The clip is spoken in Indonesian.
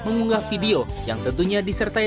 mengunggah video yang tentunya disertai